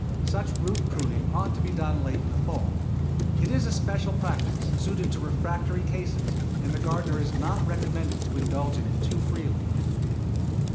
Such root pruning ought to be done late in the fall. It is a special practice, suited to refractory cases, and the gardener is not recommended to indulge in it too freely.